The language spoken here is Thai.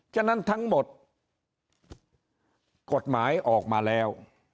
ฉะนั้นทั้งหมดกฎหมายออกมาแล้ว